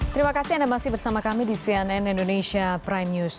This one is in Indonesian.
terima kasih anda masih bersama kami di cnn indonesia prime news